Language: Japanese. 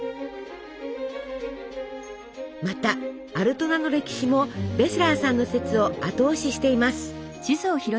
またアルトナの歴史もベセラーさんの説を後押ししています。